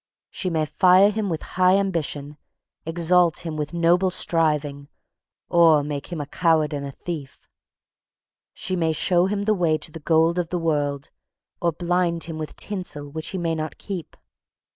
She may fire him with high ambition, exalt him with noble striving, or make him a coward and a thief. She may show him the way to the gold of the world, or blind him with tinsel which he may not keep.